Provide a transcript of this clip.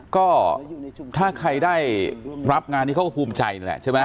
ก็ถ้าใครได้รับงานนี้เขาก็ภูมิใจนั่นแหละใช่ไหม